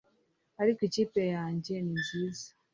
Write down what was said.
ariko ikipe yanjye ni nziza